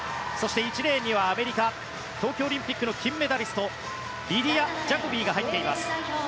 １レーンにはアメリカ東京オリンピックの金メダリストリディア・ジャコビー。